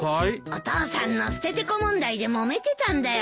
お父さんのステテコ問題でもめてたんだよ。